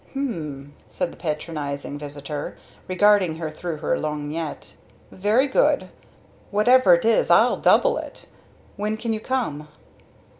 "Hm!" said the patronizing visitor, regarding her through her lorgnette. "Very good. Whatever it is I'll double it. When can you come?"